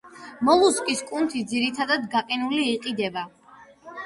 მოლუსკის კუნთი, ძირითადად გაყინული იყიდება.